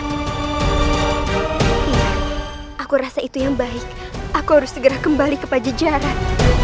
iya aku rasa itu yang baik aku harus segera kembali ke pajajaran